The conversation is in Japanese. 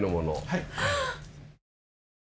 はい。